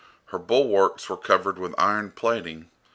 Her bulwarks were covered with iron plating.